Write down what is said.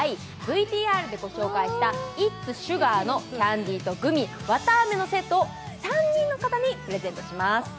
ＶＴＲでご紹介したＩＴ’ＳＳＵＧＡＲのキャンディーとグミ、綿あめのセットを３人の方にプレゼントします。